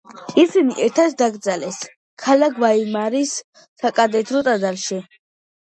ისინი ერთად დაკრძალეს, ქალაქ ვაიმარის საკათედრო ტაძარში.